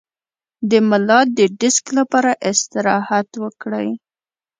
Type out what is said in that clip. د ملا د ډیسک لپاره استراحت وکړئ